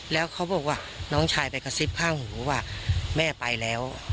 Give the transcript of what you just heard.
แล้วเขาบอกว่าน้องชายไปกระซิบข้างหูว่าแม่ไปแล้ว